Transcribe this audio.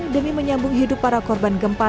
demi menyambung hidup para korban gempa